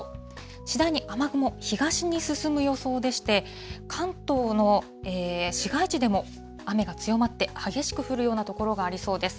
次第に雨雲、東に進む予想でして、関東の市街地でも、雨が強まって、激しく降るような所がありそうです。